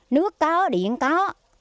nước có điện có